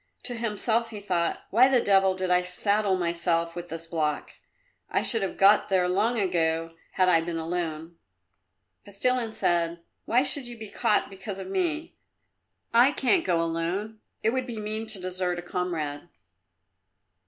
To himself he thought, "Why the devil did I saddle myself with this block? I should have got there long ago had I been alone." Kostilin said, "Why should you be caught because of me?" "I can't go alone; it would be mean to desert a comrade."